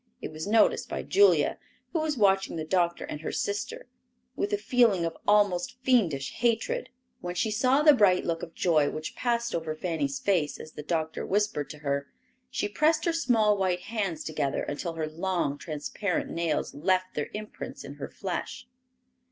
It was noticed by Julia, who was watching the doctor and her sister with a feeling of almost fiendish hatred. When she saw the bright look of joy which passed over Fanny's face as the doctor whispered to her, she pressed her small white hands together until her long transparent nails left their impress in her flesh!